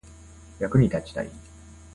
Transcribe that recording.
役に立ちたい